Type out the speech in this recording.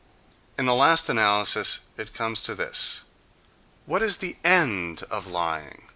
—In the last analysis it comes to this: what is the end of lying?